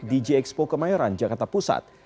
di gxpo kemayoran jakarta pusat